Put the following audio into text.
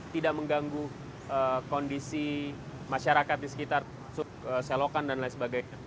tidak mengganggu kondisi masyarakat di sekitar selokan dan lain sebagainya